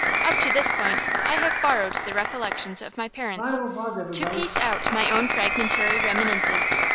Up to this point I have borrowed the recollections of my parents, to piece out my own fragmentary reminiscences.